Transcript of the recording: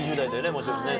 もちろんね。